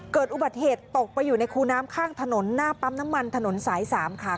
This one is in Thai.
เกิดอุบัติเหตุตกไปอยู่ในคูน้ำข้างถนนหน้าปั๊มน้ำมันถนนสาย๓ค่ะ